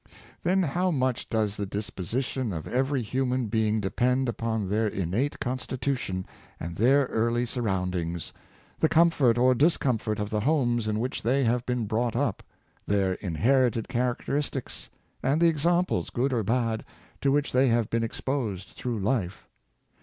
Then, how much does the disposition of every human being depend upon their innate constitution and their early surroundings; the comfort or discomfort of the homes in which they have been brought up; their in herited characteristics; and the examples, good or bad, to which they have been exposed through life